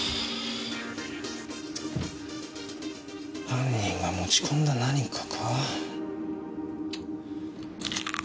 犯人が持ち込んだ何かか？